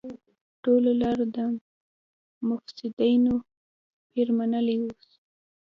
ټولو لاروی د مفسيدينو پير منلی اوس